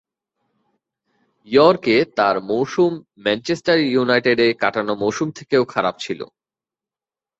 ইয়র্কে তার মৌসুম ম্যানচেস্টার ইউনাইটেডে কাটানো মৌসুম থেকেও খারাপ ছিল।